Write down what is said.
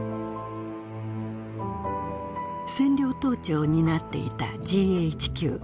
占領統治を担っていたＧＨＱ。